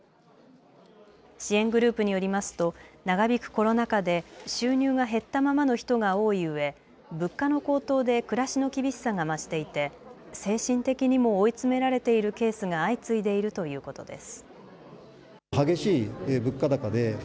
支援グループによりますと長引くコロナ禍で収入が減ったままの人が多いうえ物価の高騰で暮らしの厳しさが増していて、精神的にも追い詰められているケースが相次いでいるということです。